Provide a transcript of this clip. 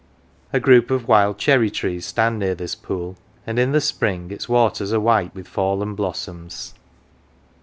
A group of wild cherry trees stand near this pool, and in the spring its waters are white with fallen blossoms.